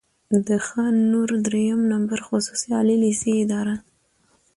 د خان نور دريیم نمبر خصوصي عالي لېسې اداره،